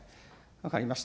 分かりました。